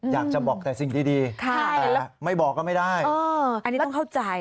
อยากจะบอกแต่สิ่งดีแต่ไม่บอกก็ไม่ได้อันนี้ต้องเข้าใจ